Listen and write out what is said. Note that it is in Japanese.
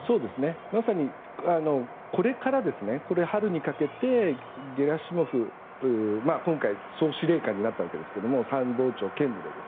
まさにこれから春にかけてゲラシモフ氏が今回総司令官になったわけですが参謀長兼務で。